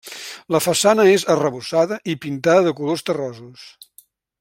La façana és arrebossada i pintada de colors terrosos.